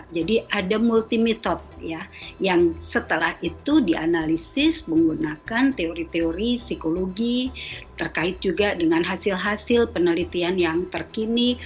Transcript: jadi ada multi method ya yang setelah itu dianalisis menggunakan teori teori psikologi terkait juga dengan hasil hasil penelitian yang terkini